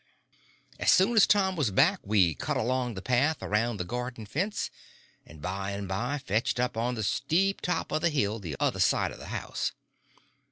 As soon as Tom was back we cut along the path, around the garden fence, and by and by fetched up on the steep top of the hill the other side of the house.